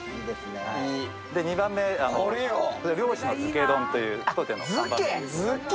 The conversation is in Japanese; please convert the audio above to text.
２番目、漁師の漬け丼という当店の看板メニュー。